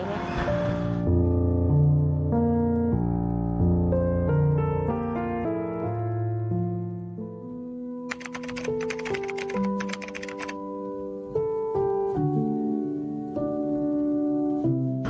เซเวสเชินละไกล